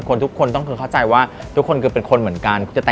คุณก็มีอารมณ์โกรธ